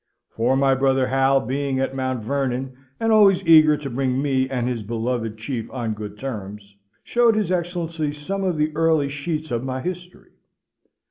For my brother Hal being at Mount Vernon, and always eager to bring me and his beloved Chief on good terms, showed his Excellency some of the early sheets of my History.